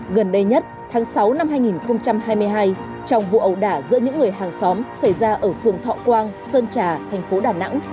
gần đây nhất tháng sáu năm hai nghìn hai mươi hai trong vụ ẩu đả giữa những người hàng xóm xảy ra ở phường thọ quang sơn trà thành phố đà nẵng